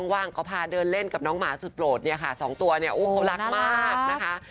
ว่างก็พาเดินเล่นกับน้องหมาสุดโปรดเนี่ยค่ะสองตัวเนี่ยเขารักมากนะคะ